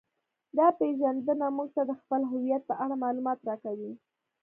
دا پیژندنه موږ ته د خپل هویت په اړه معلومات راکوي